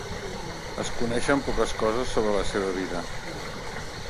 Es coneixen poques coses sobre la seva vida.